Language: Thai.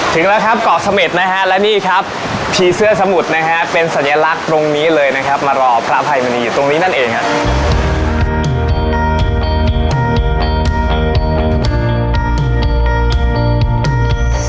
ถึงแล้วครับเกาะเสม็ดนะฮะและนี่ครับผีเสื้อสมุทรนะฮะเป็นสัญลักษณ์ตรงนี้เลยนะครับมารอพระอภัยมณีอยู่ตรงนี้นั่นเองครับ